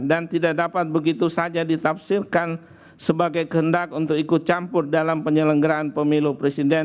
dan tidak dapat begitu saja ditafsirkan sebagai kehendak untuk ikut campur dalam penyelenggaraan pemilu presiden